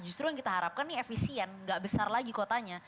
justru yang kita harapkan ini efisien nggak besar lagi kotanya